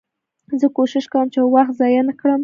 زه کوښښ کوم، چي وخت ضایع نه کړم.